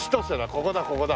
ここだここだ。